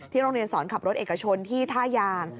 โรงเรียนสอนขับรถเอกชนที่ท่ายาง